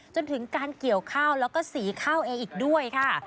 จนถึงการเกี่ยวข้าวแล้วก็สีข้าวเองอีกด้วยค่ะ